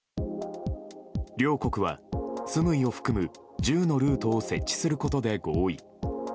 両国はスムイを含む１０のルートを設置することで合意。